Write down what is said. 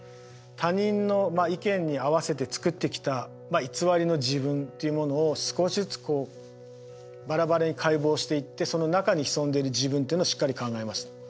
他人の意見に合わせて作ってきた偽りの自分っていうものを少しずつこうバラバラに解剖していってその中に潜んでいる自分っていうのをしっかり考えました。